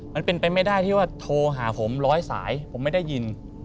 มันเป็นไปไม่ได้ที่ว่าโทรหาผมร้อยสายผมไม่ได้ยิน